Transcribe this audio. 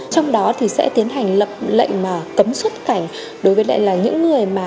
trong đó thì sẽ tiến hành lập lệnh mà